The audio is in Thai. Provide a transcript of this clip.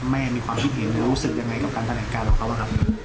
แม่มีความผิดเห็นและรู้สึกยังไง